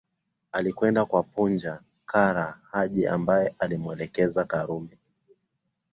Alikwenda kwa Punja Kara Haji ambae alimweleza Karume